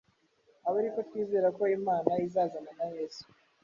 abe ari ko twizera ko Imana izazana na Yesu,